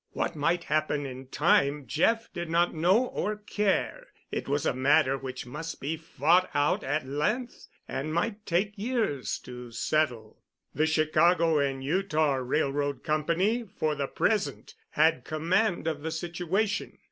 What might happen in time Jeff did not know or care. It was a matter which must be fought out at length and might take years to settle. The Chicago and Utah Railroad Company for the present had command of the situation.